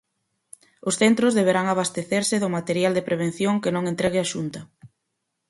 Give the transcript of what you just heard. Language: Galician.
Os centros deberán abastecerse do material de prevención que non entregue a Xunta.